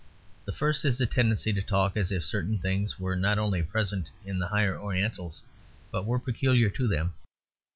The first is a tendency to talk as if certain things were not only present in the higher Orientals, but were peculiar to them.